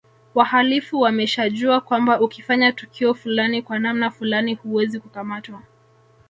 Wahalifu wameshajua kwamba ukifanya tukio fulani kwa namna fulani huwezi kukamatwa